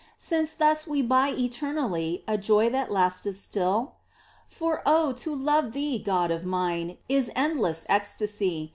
Since thus we buy eternally A joy that lasteth still ? For oh, to love Thee, God of mine, Is endless ecstasy